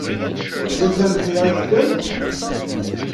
Yella kra n leḥya ay tlam?